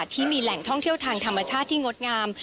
ที่มีแหล่งท่องเที่ยวทางธรรมชาติที่งดงาม